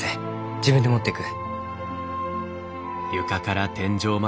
自分で持っていく。